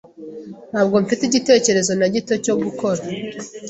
Ntabwo mfite igitekerezo na gito cyo gukora.